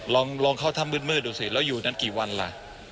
ลองเข้าถ้ำมืดดูสิแล้วอยู่นั้นกี่วันล่ะ